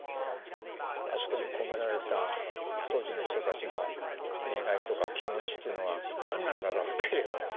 あそこに込められた当時の人たちの願いとか気持ちというのは何なんだろうという。